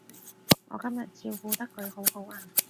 我今日照顧得佢好好啊